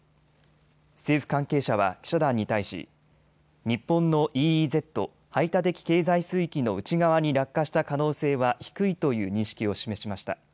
政府関係者は記者団に対し、日本のＥＥＺ・排他的経済水域の内側に落下した可能性は低いという認識を示しました。